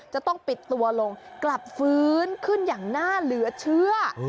จะต้องปิดตัวลงกลับฟื้นขึ้นอย่างน่าเหลือเชื่อ